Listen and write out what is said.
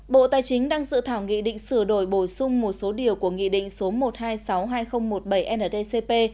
bộ tài chính đang dự thảo nghị định sửa đổi bổ sung một số điều của nghị định số một trăm hai mươi sáu hai nghìn một mươi bảy ndcp